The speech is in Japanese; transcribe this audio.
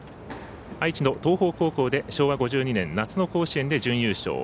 愛知の東邦高校で夏の甲子園で準優勝。